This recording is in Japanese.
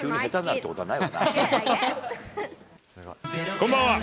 こんばんは。